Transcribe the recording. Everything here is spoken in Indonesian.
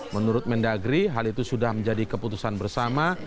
menurut mendagri hal itu sudah menjadi keputusan bersama